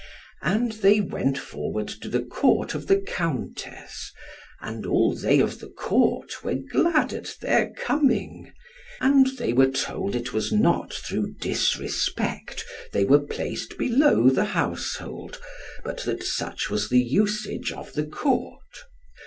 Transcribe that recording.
And they went forward to the Court of the Countess, and all they of the Court were glad at their coming; and they were told it was not through disrespect they were placed below the household, but that such was the usage of the Court.